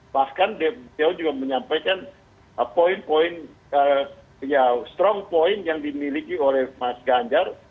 bahkan beliau juga menyampaikan poin poin yang dimiliki oleh mas ganjar